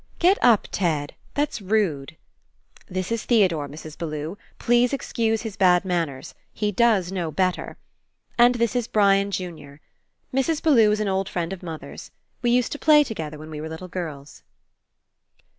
"Get up, Ted! That's rude. This is Theodore, Mrs. Bellew. Please excuse his bad manners. He does know better. And this is Brian junior. Mrs. Bellew is an old friend of mother's. We used to play together when we were little girls."